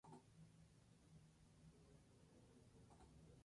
Recibió regalos y reconocimientos especiales por parte de la organización.